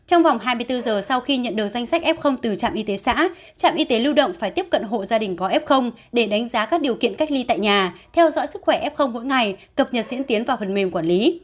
trong vòng hai mươi bốn giờ sau khi nhận được danh sách f từ trạm y tế xã trạm y tế lưu động phải tiếp cận hộ gia đình có f để đánh giá các điều kiện cách ly tại nhà theo dõi sức khỏe f mỗi ngày cập nhật diễn tiến vào phần mềm quản lý